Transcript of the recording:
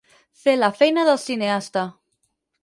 Fer la feina del cineasta.